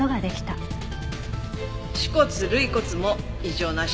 篩骨涙骨も異常なし。